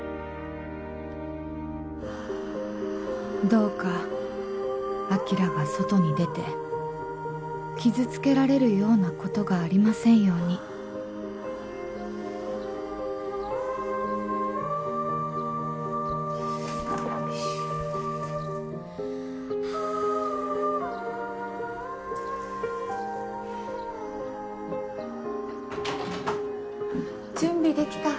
「どうか晶が外に出て傷つけられるようなことがありませんように」準備できた？